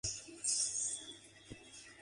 Aust.